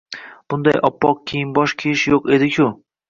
Bunday oppoq kiyim-bosh kiyish yo‘q edi-ku?